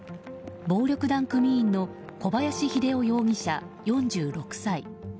暴力団組員の小林英夫容疑者、４６歳。